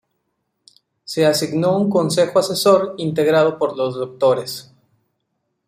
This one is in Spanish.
Se designó un Consejo Asesor integrado por los Dres.